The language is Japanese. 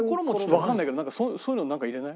わかんないけどそういうのなんか入れない？